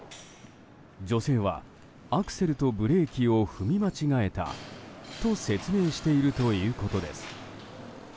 女性は、アクセルとブレーキを踏み間違えたと説明しているということです。